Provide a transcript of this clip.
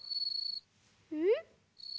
うん？